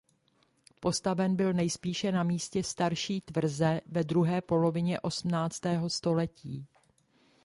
Postaven byl nejspíše na místě starší tvrze ve druhé polovině osmnáctého století.